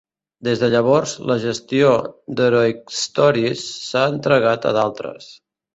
Des de llavors, la gestió d'"HeroicStories" s'ha entregat a d'altres.